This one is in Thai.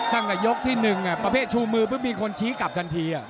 ต้องและยกที่หนึ่งประเภทชูมือพึ่งมีคนชี้กับทันที